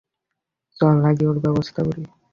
চল আগে ওর ব্যবস্থা করি।